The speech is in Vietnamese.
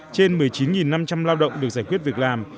trên một mươi chín năm trăm linh lao động được giải quyết việc làm